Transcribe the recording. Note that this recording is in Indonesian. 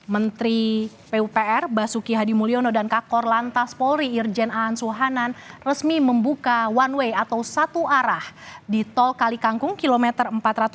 menteri pupr basuki hadi mulyono dan kakor lantas polri irjen aan suhanan resmi membuka one way atau satu arah di tol kalikangkung kilometer empat ratus dua puluh